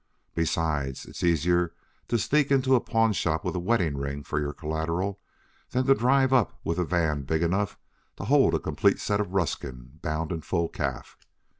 Besides, it's easier to sneak into a pawnshop with a wedding ring for your collateral than to drive up with a van big enough to hold a complete set of Ruskin bound in full calf.